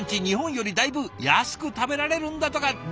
日本よりだいぶ安く食べられるんだとか。